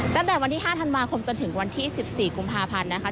ตั้งแต่วันที่๕ธันวาคมจนถึงวันที่๑๔กุมภาพันธ์นะคะ